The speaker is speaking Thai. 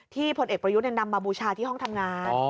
พลเอกประยุทธ์นำมาบูชาที่ห้องทำงาน